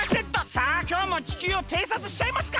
さあきょうも地球をていさつしちゃいますか！